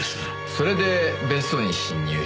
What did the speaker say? それで別荘に侵入して自殺？